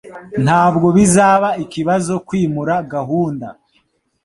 Ntabwo bizaba ikibazo kwimura gahunda